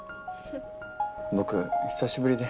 僕久しぶりで。